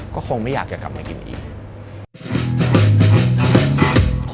ก็คงไม่อยากจะกลับมากินอีก